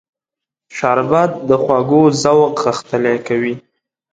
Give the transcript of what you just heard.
شربت د خوږو ذوق غښتلی کوي